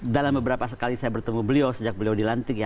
dalam beberapa sekali saya bertemu beliau sejak beliau dilantik ya